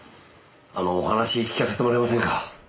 あのお話聞かせてもらえませんか？